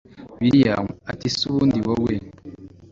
william ati ese ubundi wowe